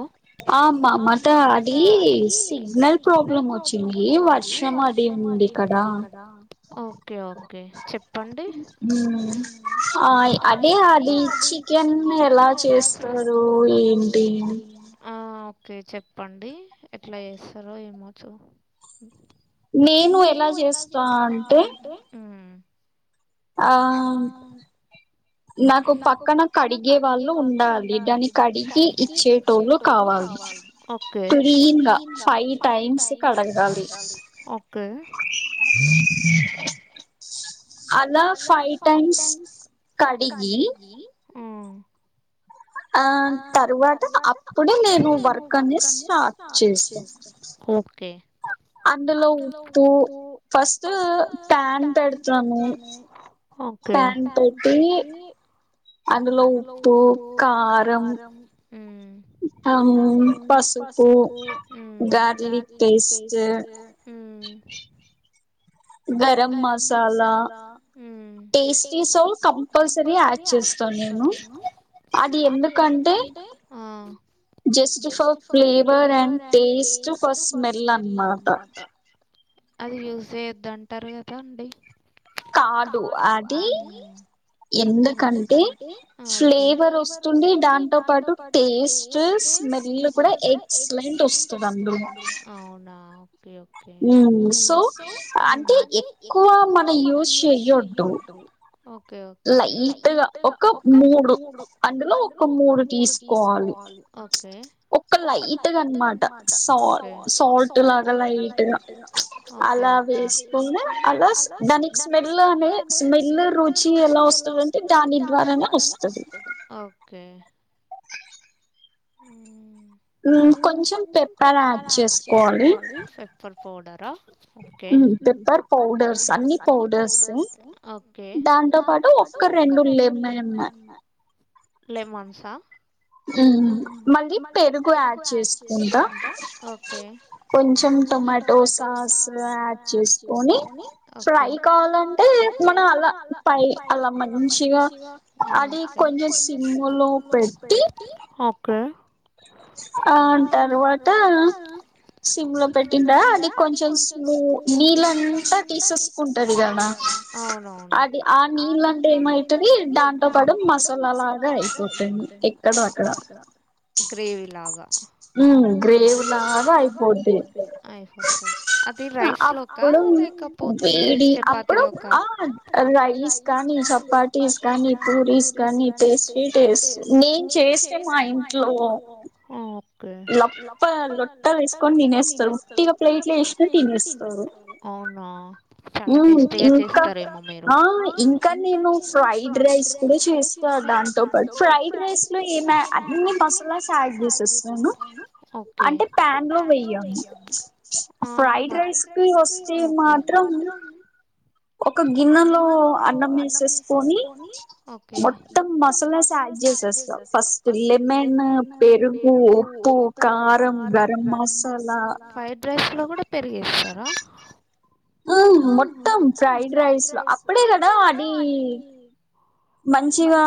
ఆహ్. ఆహ్ మా మాత అది సిగ్నల్ ప్రాబ్లమ్ వచ్చింది వర్షం. శ్రమ అదీ ఉంది కదా ఓకే ఓ. చెప్పండి మ్మ్ ఆయ్ అదే అది చికెన్ ఎలా చేస్తారు ఏంటి ఆ ఓకే చెప్పండి ఎట్ల చేస్తరో ఏమోచ్చు నేను ఎలా చేస్తా అంటే ఆ నాకు పక్కన కడిగే వాళ్ళు ఉండాలి దాన్ని కడిగి టోళ్ళూ కావాలి క్లీన్ గా ఫైవ్ టైమ్స్ కడగాలి ఓకే అలా ఫైవ్ టైమ్స్ కడ్డిగి ఆ తరువాత అప్పుడే నేను వర్క్ అనేది స్టార్ట్ చేస్తా అందులో ఉప్పు ఫస్ట్ ప్యాన్ పెడతాము ప్యాన్ పెట్టి అందులో ఉప్పు కారం అల్లం పసుపు గార్లిక్ పేస్ట్ మ్మ్ garam masala tasty salt compulsory గా చేస్తా నేను అది ఎందుకంటే just for flavour and taste for smell అనమాట అది యూస్ చేయొద్దు అంటారు కదా అండి కాడు అది ఎందుకంటే ఫ్లేవర్ వస్తుంది దాంతో పాటు టేస్ట్ స్మేల్లు కూడా ఎక్సలెంట్ వస్తది అందులో ఓకే ఓకే మ్మ్ సో అంటే ఎక్కువ మలా యూస్ చేయొద్దు ఓకే ఓకే లైట్గా ఒక మూడు అందులో ఒక మూడు తీసుకోవాలి ఓకే ఒక్క లైట్గా అనమాట సాల్ సాల్ట్ లాగా లైట్ గా అలా వేసుకోని అలా దానికి స్మెల్ అనే స్మెల్ రు చి ఎలా వస్తదంటే దాని ద్వారానే వస్తది ఇంకొంచెం పెప్పర్ యాడ్ చేసుకోవాలి మ్మ్ పెప్పర్ పౌడర్స్ అన్ని పౌడర్స్ ఏ దాంతో పాటు ఒక్క రెండు లెమన్ మ్మ్ మళ్ళీ పెరుగు యాడ్ చేసుకుంటా కొంచెం టమాటో సాస్ లు యాడ్ చేసుకొని ఫ్రై కావాల లంటే మన అలా పై అలా మంచిగా కొన్ సిమ్ములో పెట్టి ఆ తర్వాత సిమ్ లో పెట్టిందా అది కొంచెం స్మూ నీళ్ళంతా తీసేసుకుంటాది గదా అది ఆ నీళ్ళంటే ఏమైతది దాంతో పాటు మసాలా అలాగే అయిపోతాయి ఎక్కడవక్కడ మ్మ్ గ్రేవీ లాగా అయిపోద్ధి అది రైస్లోకి కా లేకపోతే చపాతి లోక పార్టీస్ గానీ పూరీస్ గానీ టేస్ట్ ఎ టేస్ట్ నేను చేస్తే మా ఇంట్లో ఆ ఓకే లొప్ప లొట్టలు వేసుకుని తినేస్తారు ఉట్టిగా ప్లేట్లో వేసినా తినేస్తారు చాలా టేస్టీగా చేస్తారేమో మీరు ఆ ఇంకా నేను ఫ్రైడ్ రైస్ కూడా చే ఫ్రైడ్ రైస్ లో ఏమి అన్ని మసాలాస్ యాడ్ చేసేస్ ఆను ఒప్ అంటే పాన్ లో వెయ్యా ఆ ఫ్రైడ్ రైస్ కి ఒకే మాత్రం ఒక గిన్నెలో అన్నం వేసేస్కొని మొత్తం మసాలాస్ యాడ్ చేసేస్తాం ఫస్ట్ లెమన్, పెరుగు ఉప్పు, కారం, గరం మసాలా, ఫ్రైడ్ రైస్ లో కూడా పెరుగేస్తారా? ఉమ్ మొత్తం ఫ్రైడ్ రైస్ లో అప్పుడే కదా అది మంచిగా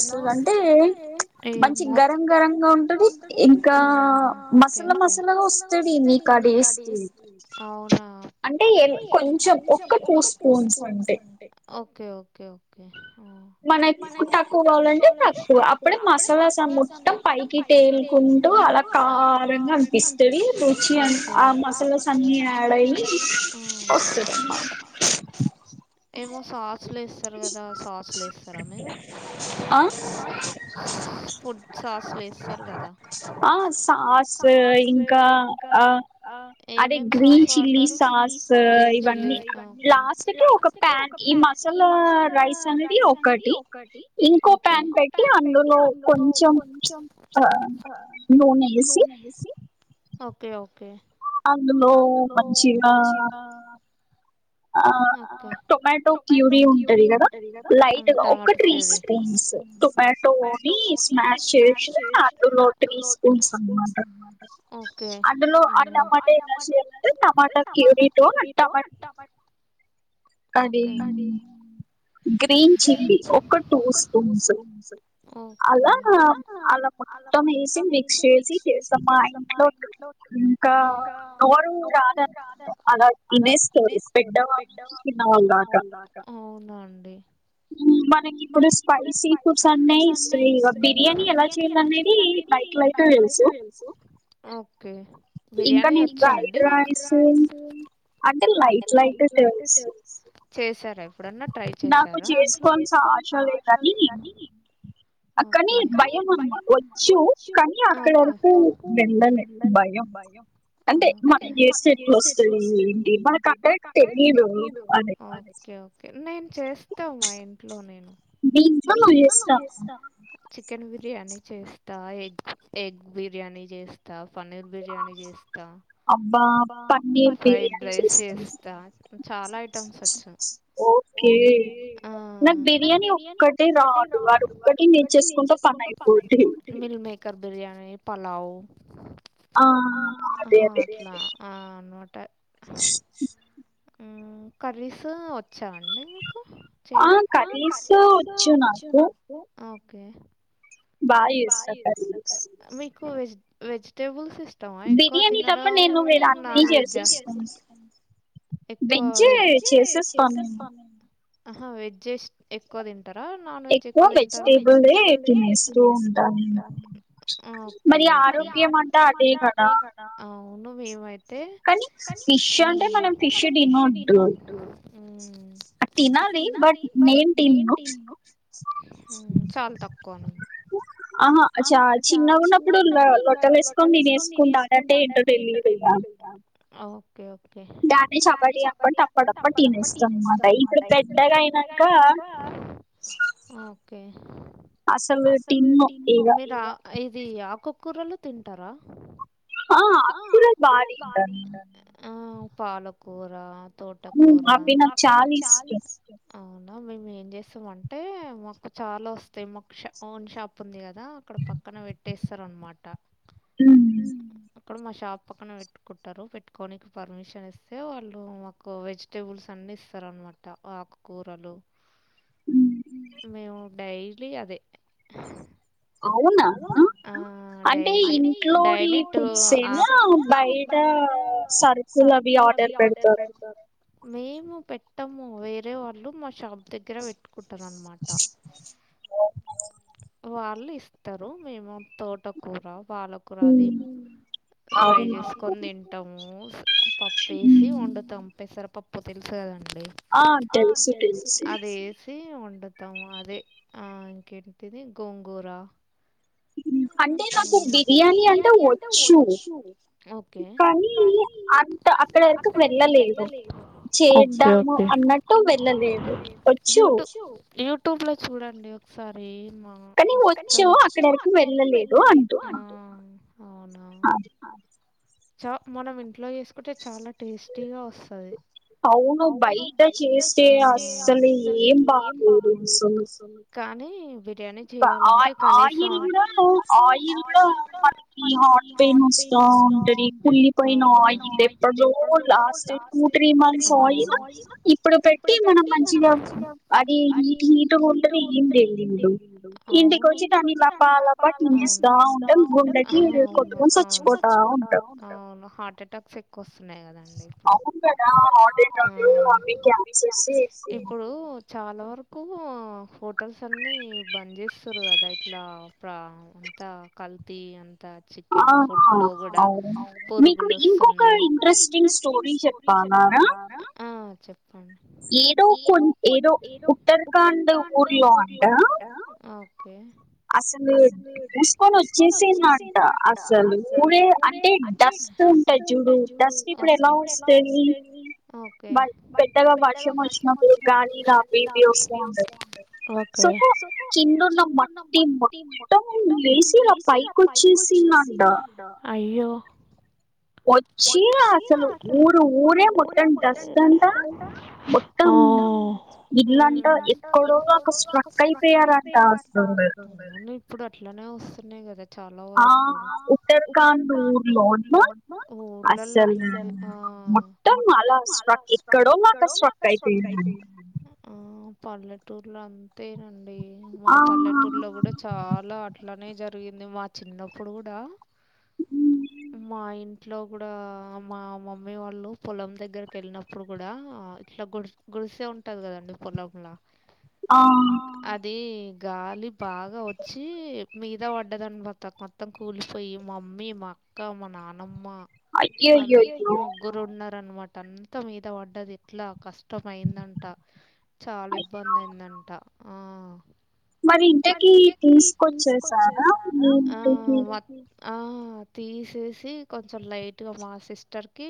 ఎలా వస్తదంటే ఏమో మంచి గరం గరంగా ఉంటది ఇంకా మసాలా మసాలాగా వస్తది నీకది టేస్టీ అవునా అంటే ఎన్ కొంచెం ఒక్క టూ స్పూన్స్ అండి ఓకే ఓకే ఓ మన తక్కువ కావాలంటే తక్కువ అప్పుడే మసాలా సమ్ మొత్తం పైకి తేలుకుంటూ అలా కారంగా అనిపిస్తుంది ఆ మస్ కలర్స్ అన్ని యాడ్ అయ్యి వస్తదన్మాట ఏమో సాస్లు ఏస్తారు కదా సాస్లు ఏస్తారా మేను ఆ ఫుడ్ సాస్లు ఏస్తారు కదా? ఆ సాస్ ఇంకా ఆ ఏమేమ్ న్ చిల్లీ సాస్ల్ ఇవ లాస్ట్ కి ఒక ప్యాన్ ఈ మసాలా రైస్ అనేది ఒకటి ఇంకో పాన్ పెట్టి అందులో కొంచెం ప్చ్ నూనె వేసి ఓకే ఓకే అందులో మంచిగా ఆ ఓకే టొమాటో క్యూరీ ఉంటది కదా లైట్ గా త్రీ స్పూన్స్ టొమా ని స్నాష్ చేసి అందులో టీ స్పూన్స్ అన్నమాట ఓకే అందులో ఆ టమాట ఆనియన్స్ వేస్తే టమాట క్యూరిటోన్ అండ్ ఓకే అది గ్రీన్ చిల్లి ఒక టూ స్పూన్స్ ఒకే అలా అలా మొత్తం వేసి మిక్స్ చేసి చేసాం మా ఇంట్లో ఇంకా ఎవరు రాదన్కో అలా వినేస్తారు పెట్టవా అవునా అండి మనకి ఇప్పుడు స్పైసీ ఫుడ్స్ అన్నాయి బిర్యానీ ఎలా చేయాలనేవి లైట్ లైట్ గా తెల్సు ఓకే బిర్యానీ వచ్చా అండి మీకు అంటే లైట్ లైట్ గా తెల్ చేశారా ఎప్పుడన్నా ట్రై చేసారా నాకు చేసుకోను చ ఆసలే కానీ ఓకే కానీ భయం మ్మ వచ్చు కానీ అక్కడ వరకు వెళ్ళలే భయం అంటే మనం చేస్తే ఎట్లా వస్తది డీప్ కంటెట్ తెలీదు ఓకే ఓకే నేను చేస్తా మా ఇంట్లో నేను మీ ఇంట్లో నువ్వు చేస్తావ్ చికెన్ బిర్యానీ చేస్తా ఎగ్ ఎగ్ బిర్యానీ చేస్తా పన్నీర్ బిర్యా ర్యానీ చేస్తా అబ్బా ఫ్రైడ్ రైస్ చేస్తా చాలా ఐటమ్స్ వచ్చు ఓకే నాకు బిర్యానీ ఒక్కటే రాదు అదొక్కటి నేర్చేసుకుంటే పని అయిపోత్ మిల్ మేకర్ బిర్యానీ పలావ్ ఆ అట్లా ఆ అనమాట ఉమ్మ్ కర్రీస్ వచ్చా అండి మీకు ఆ కర్రీస్ వచ్చు నాకు మీకు వెజ్ వెజిటేబుల్స్ ఇ ష్టమా ఎక్కువ తినడం నాన్ వెజా ఎక్కువ వెజ్ ఆహా వెజ్స్ ఎక్కువ తింటారా నాన్ వెజ్ ఎక్కువ తింటారా ఆ ఓకే ఓకే అవును మేమైతే, కానీ ఫిష్ అంటే మనం ఫిష్ తినొద్దు అది తినాలి బట్ నేను తిన్ను ఉమ్ చాలా తక్కువ అనమా ఆహా చ చిన్నగున్నప్పుడు లో లొట్టలు ఏసుకొని తినేసుకుంటండే అంటే ఏంటో తెలీదుగా దాన్ని చపాటి అనుకొని టపా టపా తినేస్తాం అనమాట ఇప్పుడిప్పుడు అయి పెద్దగా అయినంకా మీరు ఆ ఇది ఆకుకూరలు తింటారా ఆ ఆకుకూరలు బాగా తింటాను, ఆ పాలకూర తోటకూర, ఉమ్మ్ అవీ నాక్ చాల ఇష్టం అవునా మేము ఏం చేస్తామంటే మాకు చాలా వస్తాయి మక్ష ఓన్ షాప్ ఉంది కదా అక్కడ పక్కన పెట్టేస్తారు అన్నమాట ఇక్కడ మా షాప్ పక్కన పెట్టుకుంటారు పెట్టుకోనికి పర్మిషన్ ఇస్తే వాళ్ళు మాకు వెజ్ టేబుల్స్ అన్ని ఇస్తారనమాట ఆకుకూరలు మేము డైలీ అదే ఆ డైలీ డైలీ టూ ఆప్ బయట సరుకులు అవి ఆడర్ పెడతారు మేము పెట్టము వేరే వాళ్ళు మా షాప్ దగ్గర పెట్టుకుంటారు అనమాట వాళ్ళు ఇస్తారు మేము తోటకూర పాల కురాది ఫ్రై చేస్కొని తింటము పప్పేసి వండుతం పెసరు పప్పు తెలుసు కదండి ఆ తెలుసు తెలుసు సీ వండుతాము అదే ఆ ఇంకేంటిది గోంగూర అంటే నాకు బిర్యానీ అంటే వచ్చు కానీ ఓకే ఓకే యూట్యూ యూట్యూబ్‌లో చూడండి ఒకసారి మా వస్తుం ఆ అవునా చ్చ మనం ఇంట్లో చేసుకుంటే చాలా టేస్టీగా వసది అవును బయట చేస్తే అస్సలు ఏం బాలేదు అసలు కానీ బిర్యానీ చేయాలంటే కనీసం దిగూడా ఆయిల్ కూడా మనకి హార్ట్ పెయిన్ వస్తా ఉంటది కుల్లిపోయిన ఆయిల్ ఎప్పడిదో last two three months oil ఇప్పుడు పెట్టి మనం మంచిగా అది హీట్ హీట్ కోడుతుంటదా ఏం తెలీదు అవును పాల పట్నేస్తా ఉంటే గుడ్డకి ఉంటే కొట్టుకుని సచ్చిపోతా ఉం అవును హార్ట్ ఎటాక్స్ ఎ క్కువస్తున్నాయి కదండి ఇప్పుడు ఆ ఇప్పుడు చాలా వరకూ హోటల్స్ అన్ని బంద్ చేస్తరు కదా ఇట్లా ప్రా అంత కల్తి అన్ తా చికెన్ ఫుడ్ లో గూడా పురుగులోస్తున్నయ్ హా చెప్ ఏదో కొన్ ఏదో ఉత్తర్ఖండ్ ఊరిలో అంట ఓకే అసలు దూస్కొని వచ్చేసిందంట అసలు ఊరే అంటే డస్ట్ వస్తూ ఉంటది చూడు ఫస్ ఇప్పుడు ఎలా వొస్తాది ఓకే బట్ పెద్దగా వర్షం వచ్చినప్పుడు కాని ఆ వీడియోస్ సొ కిందున్న మట్టి మొత్తం లేసి ఆ పైకి వచ్చేసిందంట వచ్చి అసలు ఊరు ఊరే మొత్తం డస్ట్ అంతా హా ఇళ్లంట ఎక్కడో అక స్ట్రక్ అయిపోయారంటసలు నిక్కూడా అట్లనే వస్తున్నాయి కదా చాలా వరకు ఊర్లలో అట్లా ఆ మొత్తం అలా స్ట్రక్ ఎక్కడోల్లు అక్కడ స్ట్రక్ ఐపోయిల్ ఆ పల్లెటూర్లో అంతేనండి మా పల్లెటూర్లో కూడా చాలా అట్లనే జరిగింది మా చిన్నప్పుడు కూడా మైన్ ఇంట్లో గూడా మా మమ్మీ వాళ్ళు పొలం దగ్గరకెళ్ళినప్పుడు గుడా ఇట్లా గుడ్స్ గుడిసె ఉంటది కదండి పొలంలా అది గాలి బా గా వచ్చి మీద పడ్డదని మత మొత్తం కూలిపోయి మా మమ్మీ మా క్కా మా నానమ్మ ముగ్గురు ఉన్నారనమాట అంతా మీద పడ్డది ఎట్లా కష్ ష్టమయిందంట చాలా ఇబ్బంది అయిందంట ఆ మరి ఇంతకి తీసుకొచ్చేసారా ఆ తీసేసి కొంచెం లైట్గా మా సిస్టర్ కి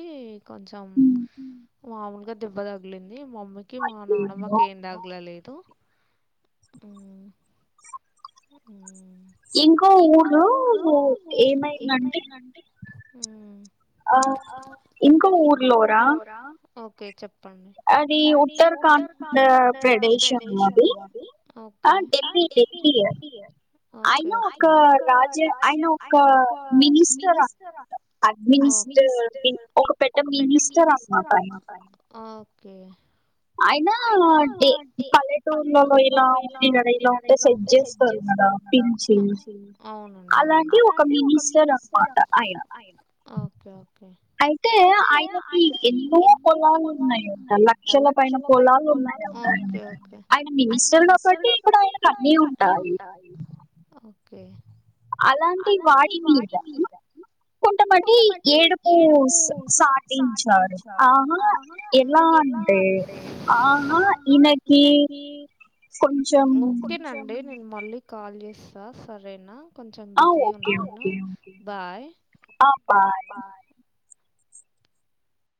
కొంచెం మాములుగా దెబ్బ తగిలింది మ మ్మి కి మా నానమ్మకి ఏం తగులా లేదు ఇంకో ఊరిలో ఏమైందంటే ఉ ఆ ఇంకో ఊర్లోరా ఓకే చెప్ అది ఉత్తర్ఖండ్ ప్రదేశం అది ఆ డిల్లీ ఢిల్లీయ ఆయన ఒక రాజె ఆయన ఒక మినిస్టర్ అన్ అడ్మినిస్టర్ ఒక పెద్ద మినిస్టర్ అన్మాట ఆ ఉ అయినా డే పల్లెటూర్లలో ఇలా ఉంది కదా ఇలా ఉంటే సెట్ చేస్తరు పించ్ అలాంటి ఒక మినిస్టర్ అనమాట ఆయన ఓకే అయితే ఆయనకి ఎన్నో పొలాలు ఉన్నాయంట లక్ పైన పొలాలున్నాయంట ఆయన మినిస్టర్ కాబట్టి ఇప్పుడ ఆయనకన్నీ ఉంటాయ్ ఓకే అలాంటి వాడి మీద కుంటమటి ఏడుపు సాటించారు ఆ ఆ ఎలా అంటే ఆహా ఈనకి ఓకేనండి నె మళ్ళీ కాల్ జేసా సరేనా, కొంచెం బిజీ ఉన్నా బాయ్. ఆ ఆ బాయ్